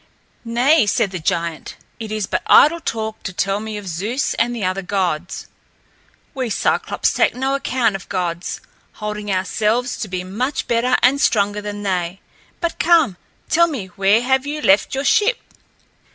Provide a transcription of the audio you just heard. "Nay," said the giant, "it is but idle talk to tell me of Zeus and the other gods. We Cyclopes take no account of gods, holding ourselves to be much better and stronger than they. But come, tell me where have you left your ship?"